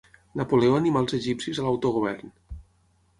Napoleó animà els egipcis a l'autogovern.